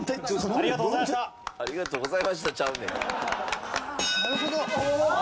「ありがとうございました」ちゃうねん。